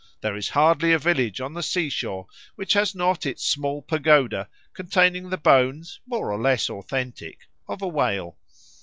There is hardly a village on the sea shore which has not its small pagoda, containing the bones, more or less authentic, of a whale.